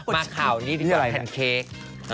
มะข่าวนี้ดีกว่าแพนเคค